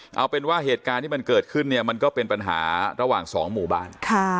เอาเป็นว่าเหตุการณ์ที่มันเกิดขึ้นเนี่ยมันก็เป็นปัญหาระหว่างสองหมู่บ้าน